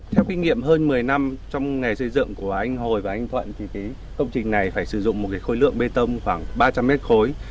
theo kinh nghiệm hơn một mươi năm trong nghề xây dựng của anh hồi và anh thuận thì công trình này phải sử dụng một khối lượng bê tông khoảng ba trăm linh mét khối